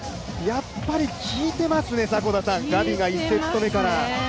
やっぱり効いてますね、ガビが１セット目から。